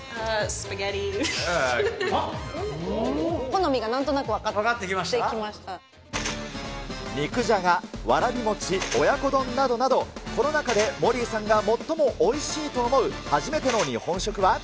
好みがなんとなく分かってき肉じゃが、わらび餅、親子丼などなど、この中でモリーさんが最もおいしいと思う初めての日本食は？